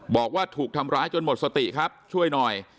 บอกว่าถูกทำร้ายจนหมดสติครับช่วยหน่อย